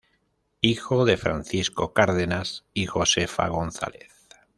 Hijo de Francisco Cárdenas y Josefa González.